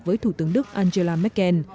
với thủ tướng đức angela merkel